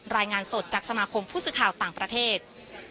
รายงานสดจากสมาคมผู้สื่อข่าวต่างประเทศ